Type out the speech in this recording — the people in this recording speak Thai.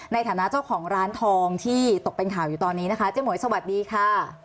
ในฐานะเจ้าของร้านทองที่ตกเป็นข่าวอยู่ตอนนี้นะคะเจ๊หมวยสวัสดีค่ะ